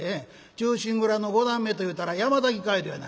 『忠臣蔵』の五段目というたら山崎街道やな」。